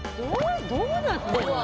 どうなってんの？